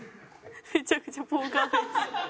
めちゃくちゃポーカーフェース。